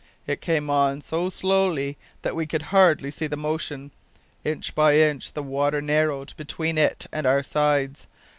It came on so slow that we could hardly see the motion. Inch by inch the water narrowed between it and our sides.